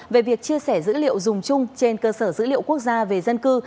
về việc chia sẻ dữ liệu dùng chung trên cơ sở dữ liệu quốc gia về dân cư